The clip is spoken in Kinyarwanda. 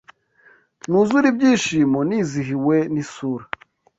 Nuzure ibyishimo Nizihiwe n’isura